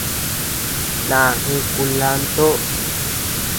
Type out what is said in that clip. Naa jëe kulanto.